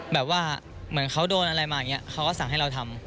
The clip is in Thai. แบบว่าเหมือนเขาโดนอะไรมาอย่างนี้เขาก็สั่งให้เราทำ